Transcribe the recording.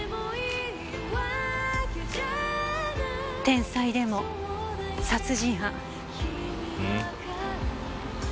天才でも殺人犯。